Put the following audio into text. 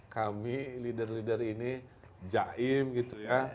kami leader leader ini jaim gitu ya